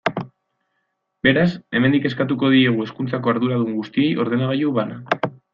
Beraz, hemendik eskatuko diegu hezkuntzako arduradun guztiei ordenagailu bana.